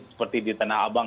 seperti di tanah abang